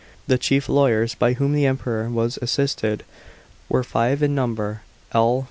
The chief lawyers by whom the Emperor was assisted were five in number: L.